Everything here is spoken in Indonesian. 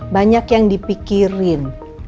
banyak yang dipikirin